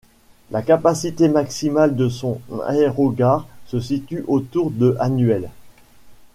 La capacité maximale de son aérogare se situe autour de annuels.